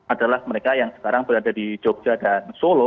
adalah mereka yang sekarang berada di jogja dan solo